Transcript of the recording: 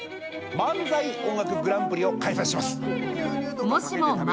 漫才音楽グランプリを開催します。